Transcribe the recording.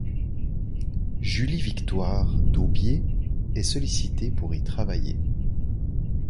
Julie-Victoire Daubié est sollicitée pour y travailler.